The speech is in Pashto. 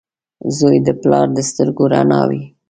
• زوی د پلار د سترګو رڼا وي.